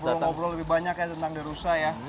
kita ngobrol ngobrol lebih banyak ya tentang dirusa ya